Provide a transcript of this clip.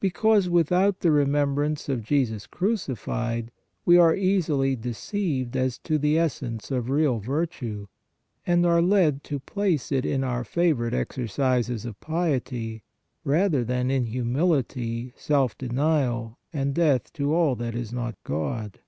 Because without the remembrance of Jesus crucified, we are easily de ceived as to the essence of real virtue, and are led to place it in our favorite exercises of piety, rather than in humility, self denial and death to all that is not God.